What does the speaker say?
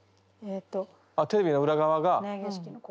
あっテレビの裏側が。